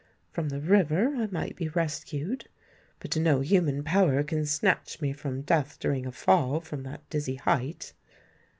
From the river I might be rescued; but no human power can snatch me from death during a fall from that dizzy height."